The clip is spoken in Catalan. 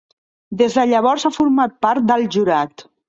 Des de llavors ha format part del jurat.